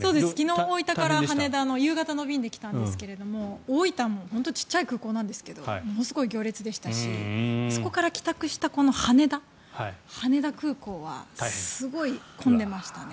そうです、昨日、大分から羽田の夕方の便で来たんですけど大分も本当に小さい空港なんですけどものすごい行列でしたしそこから帰宅した羽田空港はすごい混んでましたね。